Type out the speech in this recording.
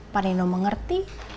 pak nino mengerti